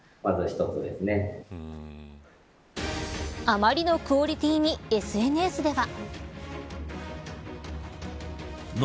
あまりのクオリティーにＳＮＳでは。